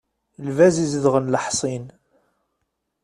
Lbaz izedɣen leḥṣin.